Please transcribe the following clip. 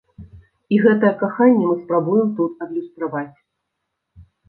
І гэтае каханне мы спрабуем тут адлюстраваць.